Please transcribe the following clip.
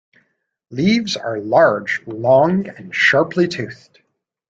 Leaves are large, long and sharply toothed.